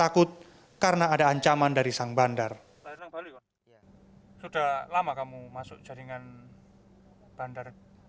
ia takut karena ada ancaman dari sang bandar